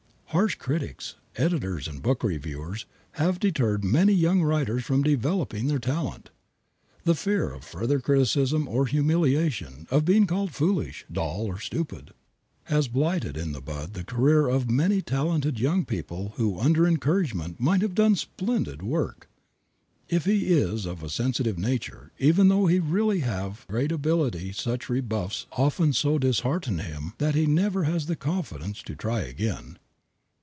Harsh critics, editors and book reviewers have deterred many young writers from developing their talent. The fear of further criticism or humiliation, of being called foolish, dull or stupid, has blighted in the bud the career of many talented young people who under encouragement might have done splendid work. If he is of a sensitive nature even though he really have great ability such rebuffs often so dishearten him that he never has the confidence to try again.